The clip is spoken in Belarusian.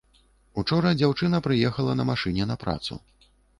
Учора дзяўчына прыехала на машыне на працу.